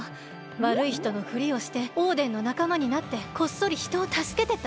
わるいひとのふりをしてオーデンのなかまになってこっそりひとをたすけてた。